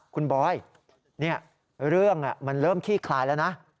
คุณบอยเรื่องมันเริ่มขี้คลายแล้วนะ